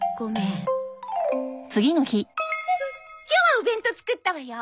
今日はお弁当作ったわよ。